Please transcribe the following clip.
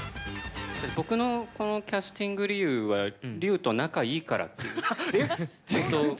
僕のこのキャスティング理由は、隆と仲がいいからっていう。